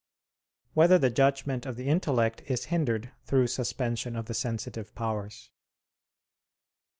8] Whether the Judgment of the Intellect Is Hindered Through Suspension of the Sensitive Powers?